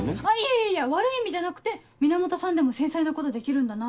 いやいや悪い意味じゃなくて源さんでも繊細なことできるんだなって。